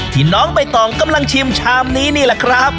น้องใบตองกำลังชิมชามนี้นี่แหละครับ